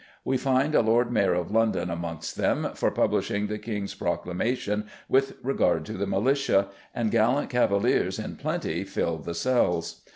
We find a Lord Mayor of London amongst them for publishing the King's proclamation with regard to the militia, and gallant Cavaliers in plenty filled the cells.